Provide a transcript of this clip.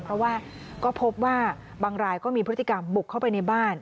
เพราะมีบางรายก็มีพฤติกรรมบกเข้าไปในบ้าน